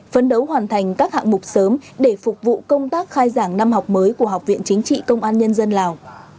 phấn đấu hoàn thành các hạng mục sớm để phục vụ công tác khai giảng năm học mới của học viện chính trị công an nhân dân lào